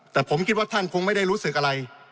แต่ผมคิดว่าท่านคงไม่ได้รู้สึกอะไร